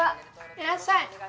いらっしゃい。